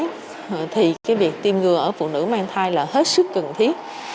trong khi mà dịch đang bùng phát thì việc tiêm ngừa ở phụ nữ mang thai là hết sức cần thiết